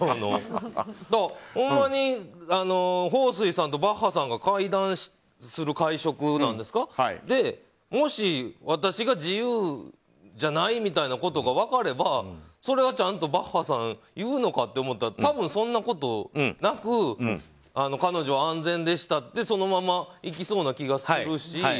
ほんまに、ホウ・スイさんとバッハさんが会談する会食ですかもし、私が自由じゃないみたいなことが分かればそれはバッハさん言うのかって思ったら多分そんなことなく彼女は安全でしたってそのままいきそうな気がするし。